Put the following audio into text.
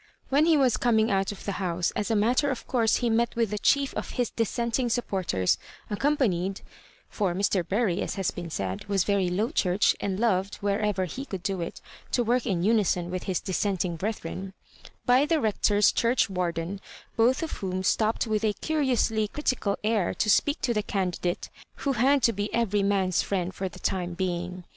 When he was coming out of t^e house, as a matter of course he met with the chief of his Dissenting supporters, accompanied (for Mr. Bury, as has been said, was very Low Church, and loved, wherever he could do it, to work in unison with his Dissenting brethren) by the Eector's church warden, botii of whom stopped with a curiously critical air to speak to the Can didate, who had to be every man's friend for the time being.